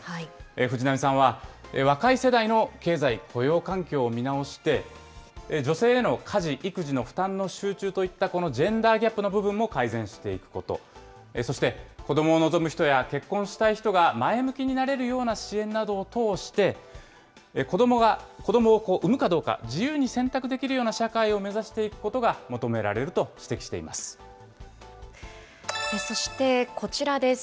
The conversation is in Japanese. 藤波さんは若い世代の経済・雇用環境を見直して、女性への家事、育児の負担の集中といったこのジェンダーギャップの部分も解消していくこと、そして子どもを望む人や結婚したい人が前向きになれるような支援などを通して、子どもを産むかどうか、自由に選択できるような社会を目指していくことが求められると指そしてこちらです。